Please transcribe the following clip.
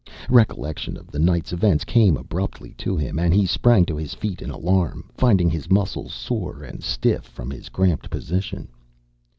Recollection of the night's events came abruptly to him, and he sprang to his feet in alarm, finding his muscles sore and stiff from his cramped position.